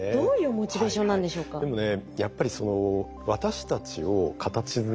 でもね